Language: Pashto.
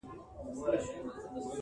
چي قاتِل مي د رڼا تر داره یو سم,